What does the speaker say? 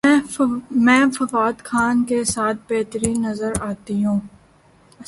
میں فواد خان کے ساتھ بہترین نظر اتی ہوں